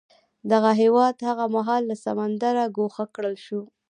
دغه هېواد هغه مهال له سمندره ګوښه کړل شو.